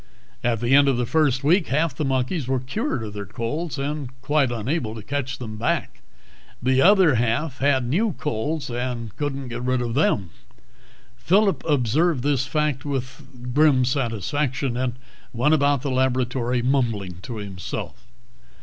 At the end of the first week, half the monkeys were cured of their colds and were quite unable to catch them back; the other half had new colds and couldn't get rid of them. Phillip observed this fact with grim satisfaction, and went about the laboratory mumbling to himself.